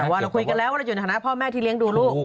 ว่าเราคุยกันแล้ววันนี้จุดฐานาภาพแม่ที่เลี้ยงดูลูก